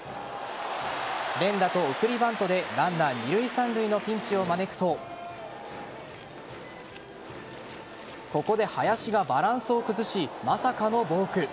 連打と送りバントでランナー二塁・三塁のピンチを招くとここで林がバランスを崩しまさかのボーク。